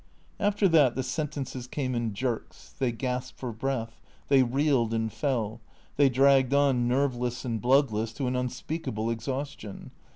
After that the sentences came in jerks; they gasped for breath; they reeled and fell; they dragged on, nerveless and bloodless, to an unspeakable exhaustion.